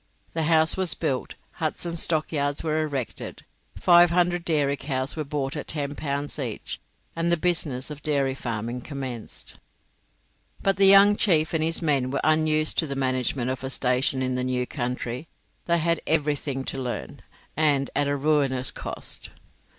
The house was built, huts and stockyards were erected, 500 dairy cows were bought at 10 pounds each, and the business of dairy farming commenced. But the young chief and his men were unused to the management of a station in the new country; they had everything to learn, and at a ruinous cost.